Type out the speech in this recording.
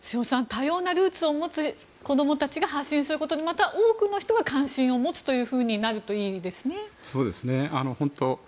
多様なルーツを持つ子どもたちが発信することでまた多くの人が関心を持つというふうになるといいですね。